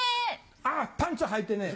あっパンツはいてねえ。